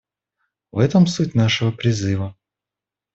В этом суть нашего призыва.